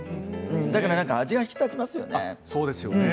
だから味が引き立ちますよね。